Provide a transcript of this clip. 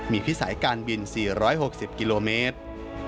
มีพิสัยการบิน๔๖๐กิโลเมตร